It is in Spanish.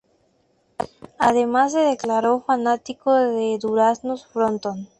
Además se declaró fanático de Duraznos Frontón